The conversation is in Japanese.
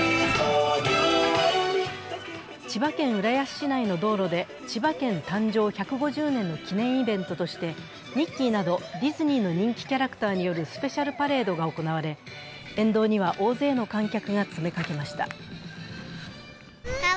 千葉県浦安市内の道路で千葉県誕生１５０年の記念イベントとしてミッキーなどディズニーの人気キャラクターによるスペシャルパレードが行われ、沿道には大勢の観客が詰めかけました。